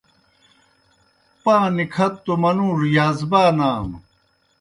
پاں نِکھتوْ توْ منُوڙوْ یازبانانوْ۔